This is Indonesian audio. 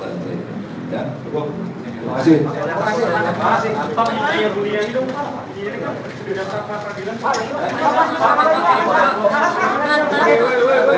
ya terima kasih